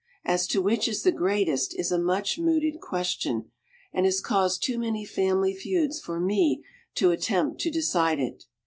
As to which is the greatest is a much mooted question and has caused too many family feuds for me to attempt to decide it.